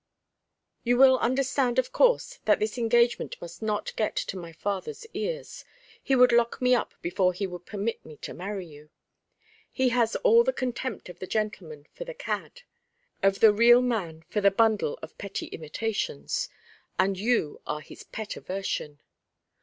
"You will understand, of course, that this engagement must not get to my father's ears. He would lock me up before he would permit me to marry you. He has all the contempt of the gentleman for the cad, of the real man for the bundle of petty imitations: and you are his pet aversion.